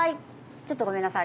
ちょっとごめんなさい。